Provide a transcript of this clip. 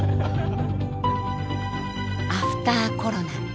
アフターコロナ。